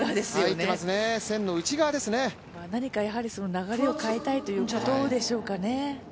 何か流れを変えたいということでしょうかね。